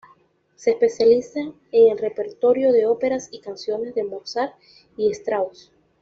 Se especializa en el repertorio de óperas y canciones de Mozart y Strauss.